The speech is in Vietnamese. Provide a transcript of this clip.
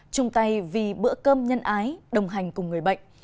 chung tay vì bữa cơm nhân ái đồng hành cùng người bệnh